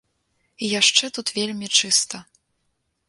І яшчэ тут вельмі чыста.